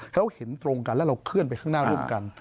เขาเห็นตรงกันแล้วเราเคลื่อนไปข้างหน้าร่วมกัน